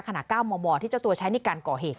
๙มมที่เจ้าตัวใช้ในการก่อเหตุ